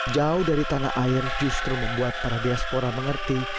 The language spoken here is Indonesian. jauh dari tanah air justru membuat para diaspora mengerti